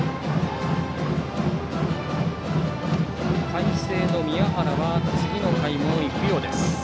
海星の宮原は次の回も行くようです。